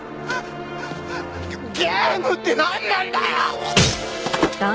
ゲームってなんなんだよ！？